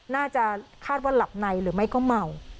น่าจะคาดว่าหลับในหรือไม่ก็เมา